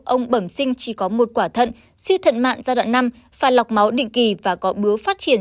ông bẩm sinh chỉ có một quả thận suy thận mạng giai đoạn năm phạt lọc máu định kỳ và có bứa phát triển